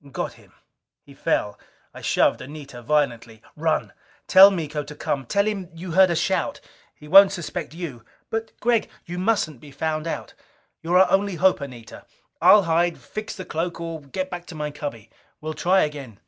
Got him! He fell. I shoved Anita violently. "Run! Tell Miko to come tell him you heard a shout. He won't suspect you!" "But, Gregg " "You mustn't be found out. You're our only hope, Anita! I'll hide, fix the cloak, or get back to my cubby. We'll try again."